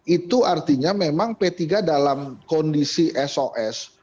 itu artinya memang p tiga dalam kondisi sos